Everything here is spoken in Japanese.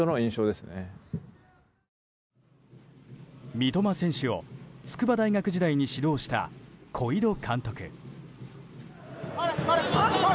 三笘選手を、筑波大学時代に指導した小井土監督。